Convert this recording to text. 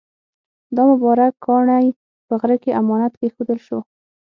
دا مبارک کاڼی په غره کې امانت کېښودل شو.